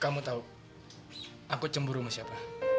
kamu tahu aku cemburu sama siapa